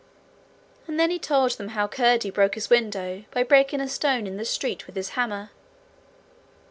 And then he told them how Curdie broke his window by breaking a stone in the street with his hammer.